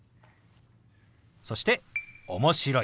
そして「面白い」。